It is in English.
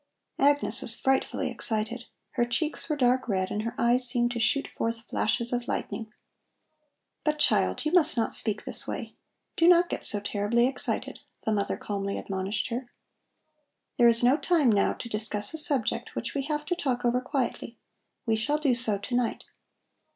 Agnes was frightfully excited. Her cheeks were dark red and her eyes seemed to shoot forth flashes of lightning. "But, child, you must not speak this way. Do not get so terribly excited," the mother calmly admonished her. "There is no time now to discuss a subject which we have to talk over quietly. We shall do so to night.